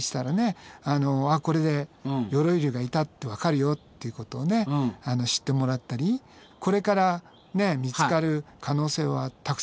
これで鎧竜がいたってわかるよっていうことを知ってもらったりこれから見つかる可能性はたくさんあると思うので。